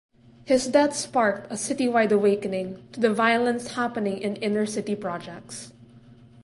His death sparked a citywide awakening to the violence happening in inner city projects.